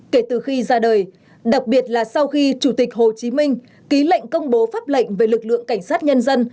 kể từ khi ra đời đặc biệt là sau khi chủ tịch hồ chí minh ký lệnh công bố pháp lệnh về lực lượng cảnh sát nhân dân